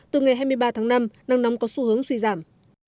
từ ngày hai mươi ba tháng năm nắng nóng có xu hướng suy giảm